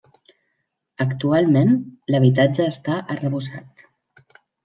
Actualment, l'habitatge està arrebossat.